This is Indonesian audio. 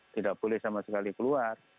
tidak boleh sama sekali keluar